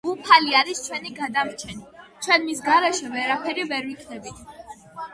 უფალი არის ჩვენი გადამრჩენი. ჩვენ მის გარეშე ვერაფერი ვერ ვიქნებით.